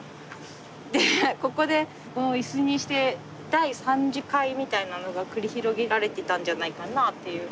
でここで椅子にして第三次会みたいなのが繰り広げられていたんじゃないかなあっていう。